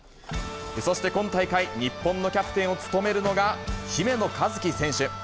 そして今大会、日本のキャプテンを務めるのが姫野和樹選手。